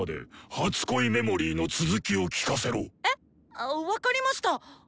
あ分かりました。